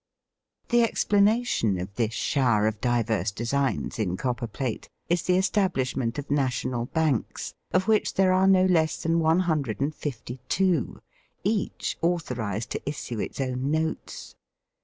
The explanation of this shower of diverse designs in copper plate is the establishment of national banks, of which there are no less than 162, each authorized to issue its own notes.